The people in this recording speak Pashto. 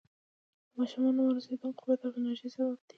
د ماشومانو ورزش د قوت او انرژۍ سبب دی.